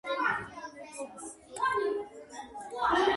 საარტილერიო დაბომბვის დროს ტაძარს რამდენიმე ბომბი დაეცა.